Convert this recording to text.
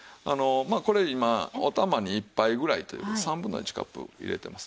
まあこれ今お玉に１杯ぐらいという３分の１カップ入れてます。